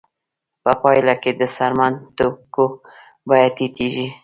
په پایله کې د څرمن د توکو بیه ټیټېږي